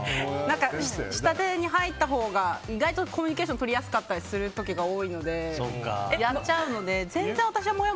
下手にいったほうが意外とコミュニケーションをとりやすいことが多くてやっちゃうので。